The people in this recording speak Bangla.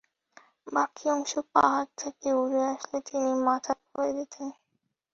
বাকি অংশ পাহাড় থেকে উড়ে আসলে তিনি মাথা ফেলে দিতেন।